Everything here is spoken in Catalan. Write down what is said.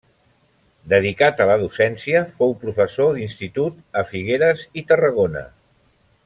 Dedicat a la docència, fou professor d'institut a Figueres i Tarragona.